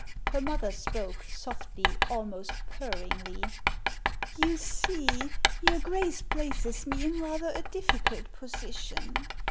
Her nlother spoke — ^softly, almost purringly. " You see, your Grace places me in rather a difficult position.